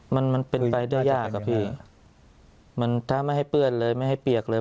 มันมันเป็นไปได้ยากอะพี่มันถ้าไม่ให้เปื้อนเลยไม่ให้เปียกเลย